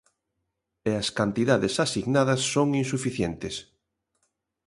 E as cantidades asignadas son insuficientes.